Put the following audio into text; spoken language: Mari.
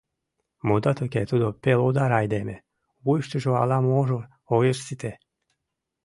Мутат уке, тудо пелодар айдеме, вуйыштыжо ала-можо огеш сите.